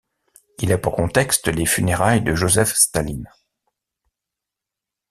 Il a pour contexte les funérailles de Joseph Staline.